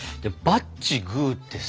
バッチグーってさ。